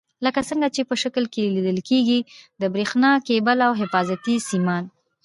لکه څنګه چې په شکل کې لیدل کېږي د برېښنا کیبل او حفاظتي سیمان.